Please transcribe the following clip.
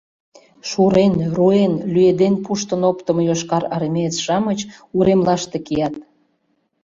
Шурен, руэн, лӱеден пуштын оптымо йошкарармеец-шамыч уремлаште кият.